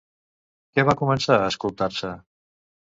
Què va començar a escoltar-se?